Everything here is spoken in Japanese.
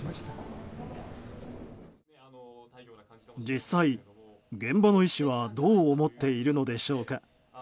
実際、現場の医師はどう思っているのでしょうか。